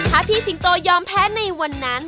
ถ้าพี่สิงโตยอมแพ้ในวันนั้น